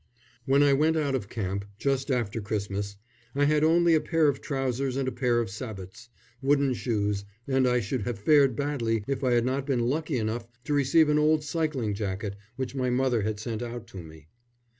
When I went out of camp, just after Christmas, I had only a pair of trousers and a pair of sabots, wooden shoes, and I should have fared badly if I had not been lucky enough to receive an old cycling jacket which my mother had sent out to me.